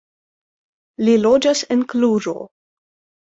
Li loĝas en Kluĵo.